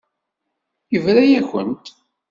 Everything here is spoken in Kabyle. Yebra-yakent.